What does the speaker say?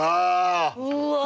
うわ。